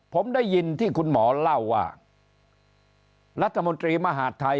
ผมได้ยินที่คุณหมอเล่าว่ารัฐมนตรีมหาดไทย